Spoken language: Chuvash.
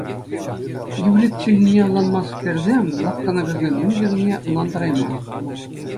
Иврит чӗлхине ӑнланманскерсем лавккана кӗрсен мӗн кирлине ӑнлантарайман.